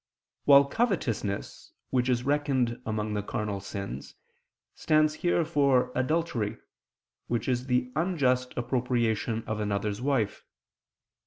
While covetousness, which is reckoned among the carnal sins, stands here for adultery, which is the unjust appropriation of another's wife.